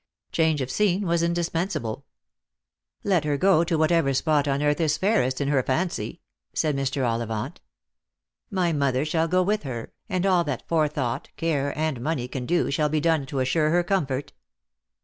Change of scene was indispensable. " Let her go to whatever spot on earth is fairest in her fancy," said Mr. Ollivant. " My mother shall go with her, and all that forethought, care, and money can do shall be done to assure her comfort."